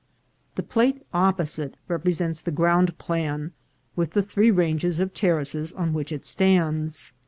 The plate opposite represents the ground plan, with the three ranges of terraces on which it stands.